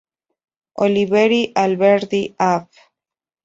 Oliveri, Alberdi, Av.